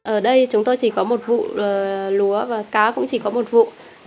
ở đây chúng tôi chỉ có một vụ lúa và cá cũng chỉ có một vụ